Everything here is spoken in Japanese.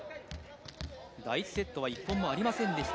第１セットは１本もありませんでした